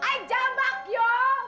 ayah jambak you